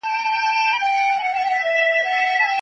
ټولنه بايد خپل افراد حمايه کړي.